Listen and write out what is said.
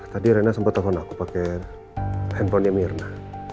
tadi rena sempat telepon aku pakai handphonenya mirna